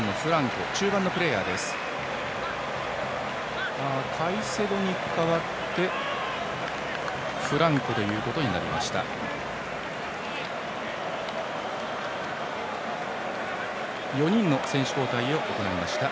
カイセドに代わってフランコということになりました。